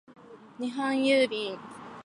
日本郵便